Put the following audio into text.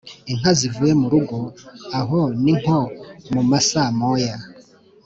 inka zivuye mu rugo (aho ni nko mu masaa moya)